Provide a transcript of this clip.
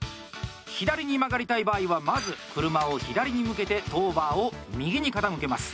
左に曲がりたい場合はまず車を左に向けてトーバーを右に傾けます。